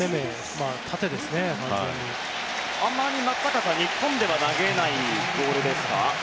松坂さん、あまり日本では投げないボールですか。